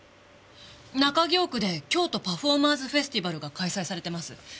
中京区で「京都パフォーマーズフェスティバル」が開催されてます。